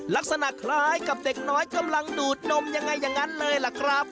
ลักษณะคล้ายกับเด็กน้อยกำลังดูดนมยังไงอย่างนั้นเลยล่ะครับ